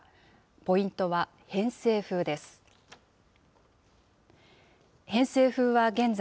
ポイントは、偏西風です。